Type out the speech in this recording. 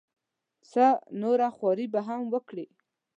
څه نوره خواري به هم وکړي.